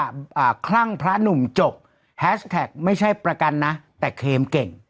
อ่าคลั่งพระหนุ่มจบแฮชแท็กไม่ใช่ประกันนะแต่เคมเก่ง